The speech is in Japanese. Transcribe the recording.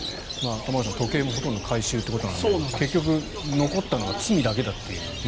玉川さん、時計もほとんど回収ということなので結局、残ったのが罪だけだという。